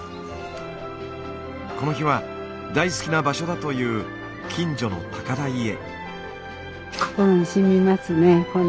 この日は大好きな場所だという近所の高台へ。